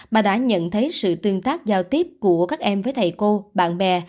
bà đã nhận thấy sự tương tác giao tiếp của các em với thầy cô bạn bè